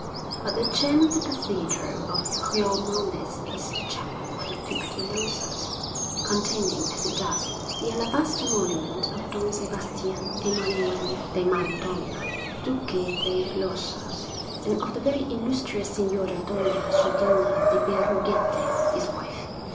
But the gem of the Cathedral of Xiormonez is the Chapel of the Duke de Losas, containing, as it does, the alabaster monument of Don Sebastian Emanuel de Mantona, Duque de Losas, and of the very illustrious Señora Doña Sodina de Berruguete, his wife.